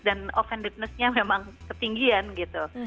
dan offendednessnya memang ketinggian gitu